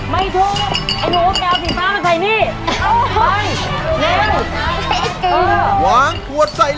เร็วเร็วเร็วเร็วเร็วเร็วเร็วเร็วเร็วเร็วเร็วเร็วเร็วเร็ว